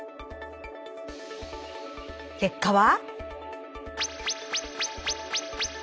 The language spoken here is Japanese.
結果は？